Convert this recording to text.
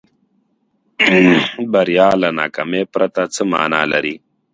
بریا له ناکامۍ پرته څه معنا لري.